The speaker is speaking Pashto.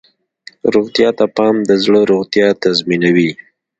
روغتیا ته پام د زړه روغتیا تضمینوي.